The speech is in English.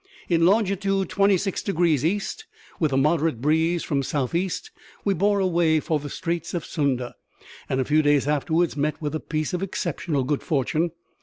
In longitude 26 degrees East, with a moderate breeze from south east, we bore away for the Straits of Sunda; and a few days afterwards met with a piece of exceptional good fortune.